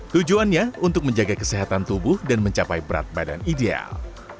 tujuannya untuk menjaga kesehatan tubuh dan mencapai berat badan ideal